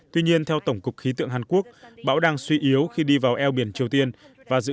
tuy nhiên theo tổng cục khí tượng hàn quốc bão đang suy yếu khi đi vào eo biển triều tiên và dự